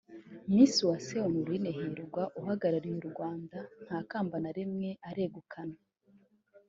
Miss Uwase Honorine Hirwa uhagarariye u Rwanda nta kamba na rimwe aregukana